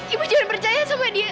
ibu jangan percaya supaya dia